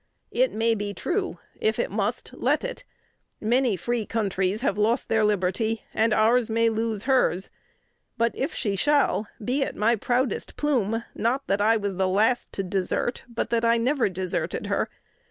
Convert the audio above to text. It may be true: if it must, let it. Many free countries have lost their liberty, and ours may lose hers; but, if she shall, be it my proudest plume, not that I was the last to desert, but that I never deserted her.